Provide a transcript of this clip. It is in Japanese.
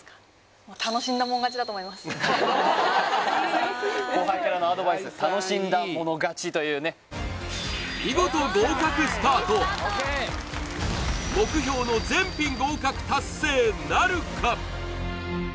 だと思います後輩からのアドバイス楽しんだもの勝ちというね見事合格スタート目標の全品合格達成なるか！？